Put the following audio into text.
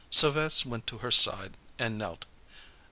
Sylves' went to her side and knelt.